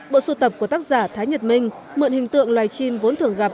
bộ sưu tập của tác giả thái nhật minh mượn hình tượng loài chim vốn thường gặp